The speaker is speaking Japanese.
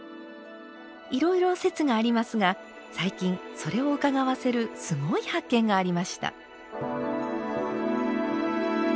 いろいろ説がありますが最近それをうかがわせるすごい発見がありました。